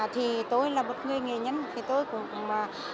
thì tôi là một người nghề nhân tôi cũng